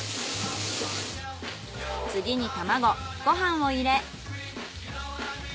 次に卵ご飯を入れ。